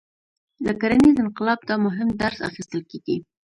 له کرنیز انقلاب دا مهم درس اخیستل کېږي.